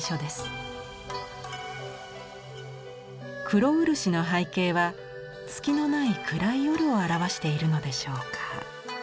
黒漆の背景は月のない暗い夜を表しているのでしょうか。